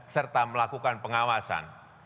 serta melakukan pengawasan